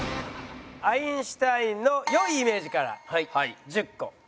アインシュタインの良いイメージから１０個。